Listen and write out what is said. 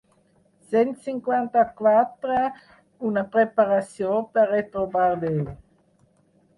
Cent cinquanta-quatre una preparació per retrobar Déu.